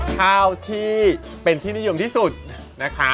ข้าวที่เป็นที่นิยมที่สุดนะคะ